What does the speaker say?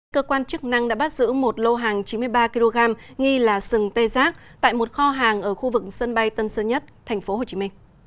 cơ quan chức năng đã bắt giữ một lô hàng chín mươi ba kg nghi là sừng tê giác tại một kho hàng ở khu vực sân bay tân sơn nhất tp hcm